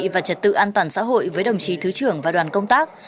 và trật tự an toàn xã hội với đồng chí thứ trưởng và đoàn công tác